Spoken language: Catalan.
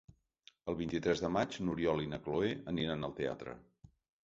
El vint-i-tres de maig n'Oriol i na Cloè aniran al teatre.